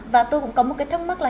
và tôi cũng có một thắc mắc là